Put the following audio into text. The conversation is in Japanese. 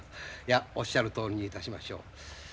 いやおっしゃるとおりにいたしましょう。